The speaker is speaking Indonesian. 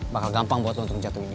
bakal gampang buat lo untuk jatuhin dia